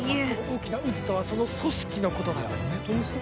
大きな渦とはその組織のことなんですね。